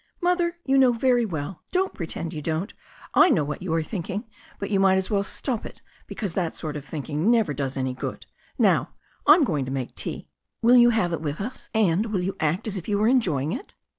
"Mother, you know very well. Don't pretend you don*t I know what you are thinking. But you might as well stop it, because that sort of thinking never does any good. Now I'm going to make tea. Will you have it with us? And will you act as if you were enjoying it?"